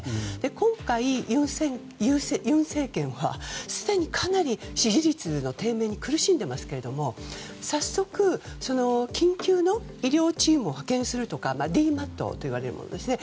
今回、尹政権はかなり支持率の低迷に苦しんでいますが早速、緊急の医療チームを派遣するとかＤＭＡＴといわれるものですね。